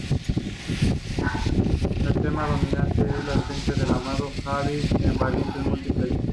El tema dominante es la ausencia del amado o "habib" en variantes múltiples.